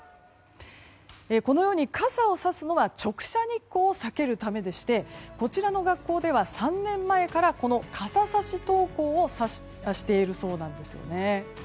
このように傘をさすのは直射日光を避けるためでしてこちらの学校では３年前から傘さし登校をしているそうなんです。